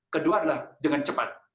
kedua adalah dengan cepat